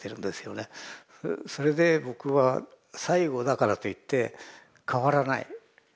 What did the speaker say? それで僕は最後だからといって変わらない。